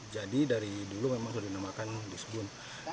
jadi dari dulu memang sudah dinamakan dispun